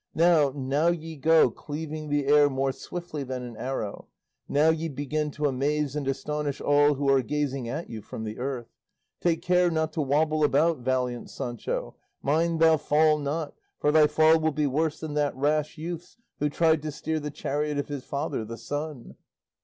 Now, now ye go cleaving the air more swiftly than an arrow! Now ye begin to amaze and astonish all who are gazing at you from the earth! Take care not to wobble about, valiant Sancho! Mind thou fall not, for thy fall will be worse than that rash youth's who tried to steer the chariot of his father the Sun!"